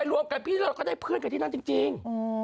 เราก็ได้เพื่อนกันที่นั่นจริง